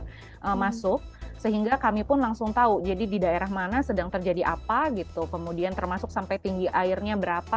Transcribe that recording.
dan harus masuk sehingga kami pun langsung tau jadi di daerah mana sedang terjadi apa gitu kemudian termasuk sampai tinggi airnya berapa